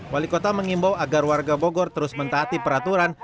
wali kota mengimbau agar warga bogor terus mentaati peraturan